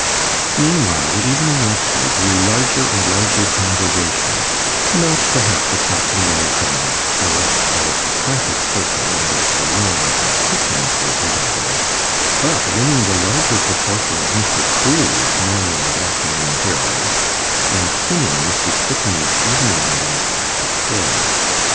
Meanwhile, the evening lecture drew larger and larger congregations; not perhaps attracting many from that select aristocratic circle in which the Lowmes and Pittmans were predominant, but winning the larger proportion of Mr. Crewe's morning and afternoon hearers, and thinning Mr. Stickney's evening audiences at Salem.